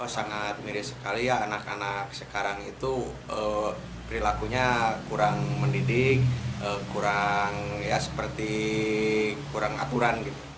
sangat mirip sekali ya anak anak sekarang itu perilakunya kurang mendidik kurang seperti kurang aturan gitu